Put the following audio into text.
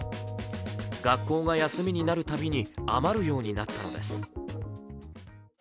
学校が休みになるたびに余るようになったのです。